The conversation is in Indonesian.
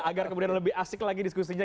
agar kemudian lebih asik lagi diskusinya